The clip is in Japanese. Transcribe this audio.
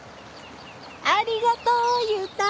ありがとう悠太。